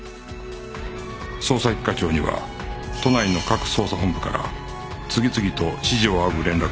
捜査一課長には都内の各捜査本部から次々と指示をあおぐ連絡が入る